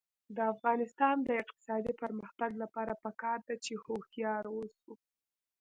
د افغانستان د اقتصادي پرمختګ لپاره پکار ده چې هوښیار اوسو.